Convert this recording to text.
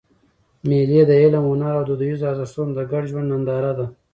مېلې د علم، هنر او دودیزو ارزښتو د ګډ ژوند ننداره ده.